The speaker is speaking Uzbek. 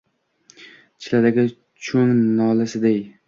Chilladagi choʼng nolasiday.